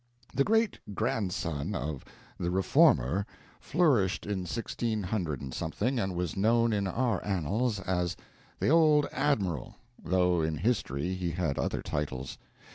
The great grandson of the "Reformer" flourished in sixteen hundred and something, and was known in our annals as, "the old Admiral," though in history he had other titles.